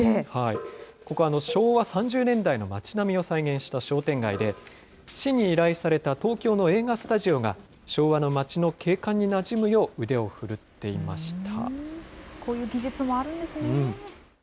ここ、昭和３０年代の町並みを再現した商店街で、市に依頼された東京の映画スタジオが、昭和の町の景観になじむよう腕を振るっていました。